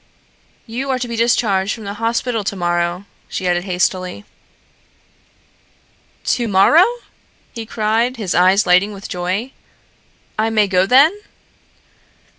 "You are to be discharged from the hospital to morrow," she added hastily. "To morrow?" he cried, his eyes lighting with joy. "I may go then?"